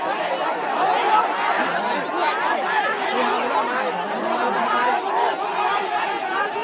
กอลกครับครับคุณป้าหลอกครับป้าหลอกเดี๋ยวเขายกให้คุณป้าหลอก